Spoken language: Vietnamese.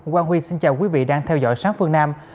quang huy xin chào quý vị đang theo dõi sáng phương nam